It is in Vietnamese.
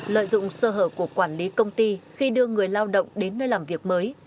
lợi dụng sơ hở của quản lý công ty khi đưa người lao động đến nơi làm việc mới